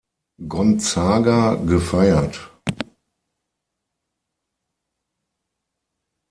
Gonzaga, gefeiert.